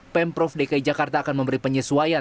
pemprov dki jakarta akan memberi penyesuaian